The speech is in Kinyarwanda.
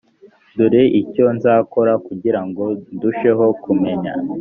dore icyo nzakora kugira ngo ndusheho kumenya